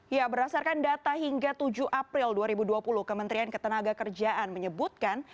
ya berdasarkan data hingga tujuh april dua ribu dua puluh kementerian ketenaga kerjaan menyebutkan